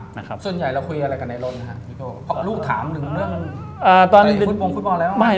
ส่วนใหญ่เราคุยอะไรกับไนรนนะครับลูกถามหนึ่งเรื่องในฟุตบอลแล้ว